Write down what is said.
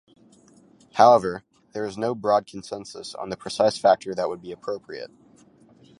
However, there is no broad consensus on the precise factor that would be appropriate.